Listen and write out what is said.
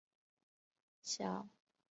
大花茄为茄科茄属下的一个种。